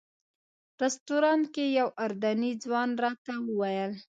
رسټورانټ کې یو اردني ځوان راته وویل.